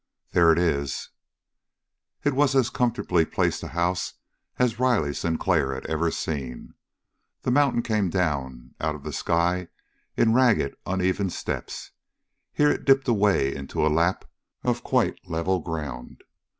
"There it is!" It was as comfortably placed a house as Riley Sinclair had ever seen. The mountain came down out of the sky in ragged, uneven steps. Here it dipped away into a lap of quite level ground.